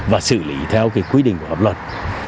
và xử lý theo quy định của hợp luật